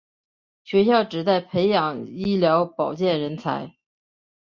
学校旨在培养医疗保健人才。